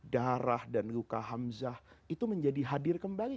darah dan luka hamzah itu menjadi hadir kembali